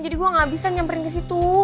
jadi gue gak bisa nyamperin kesitu